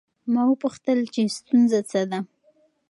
ما وپوښتل چې ستونزه څه ده؟